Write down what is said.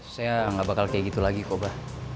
saya gak bakal kayak gitu lagi kok abah